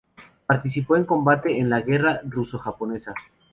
Participó en combate en la Guerra Ruso-Japonesa.